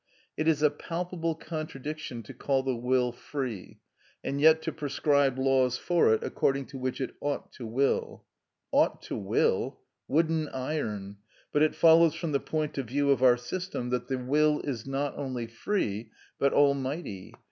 It is a palpable contradiction to call the will free, and yet to prescribe laws for it according to which it ought to will. "Ought to will!"—wooden iron! But it follows from the point of view of our system that the will is not only free, but almighty.